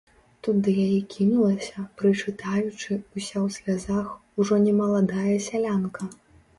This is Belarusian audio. Тут да яе кінулася, прычытаючы, уся ў слязах, ужо не маладая сялянка.